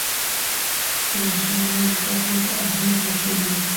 د ماشومانو زده کړې ته اهمیت ورکوي.